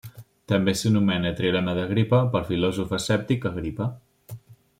També s'anomena trilema d'Agripa pel filòsof escèptic Agripa.